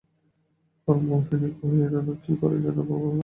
হরিমোহিনী কহিলেন, আমি কী করে জানব বাবা!